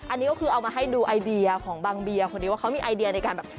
อันนี้ก็คือเอามาให้ดูไอเดียของบางเบียคนนี้ว่าเขามีไอเดียในการแบบ